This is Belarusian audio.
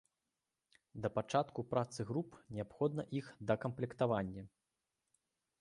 Для пачатку працы груп неабходна іх дакамплектаванне.